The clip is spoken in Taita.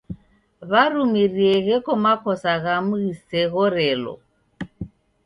Warumirie gheko makosa ghamu ghiseghorelo.